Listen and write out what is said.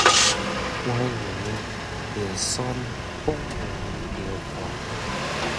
關門就栓，講話就看